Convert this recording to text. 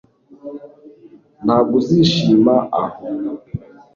Ntabwo uzishima aho